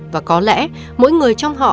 và có lẽ mỗi người trong họ